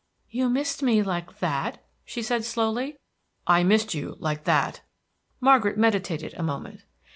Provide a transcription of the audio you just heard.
"You missed me like that?" she said slowly. "I missed you like that." Margaret meditated a moment.